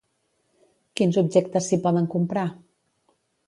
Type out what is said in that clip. Quins objectes s'hi poden comprar?